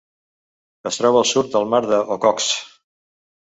Es troba al sud del mar d'Okhotsk.